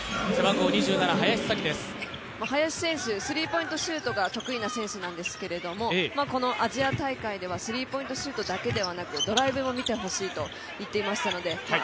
林選手、スリーポイントシュートが得意な選手なんですけれども、このアジア大会ではスリーポイントシュートだけではなく、ドライブも見てほしいと言っていましたのであ